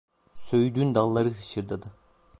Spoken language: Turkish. Söğüdün dalları hışırdadı.